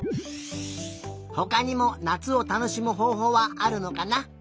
ほかにもなつをたのしむほうほうはあるのかな？